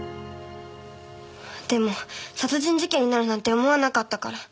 でも殺人事件になるなんて思わなかったから。